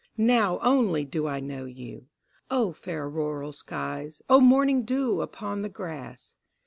Now only do I know you, O fair auroral skies O morning dew upon the grass!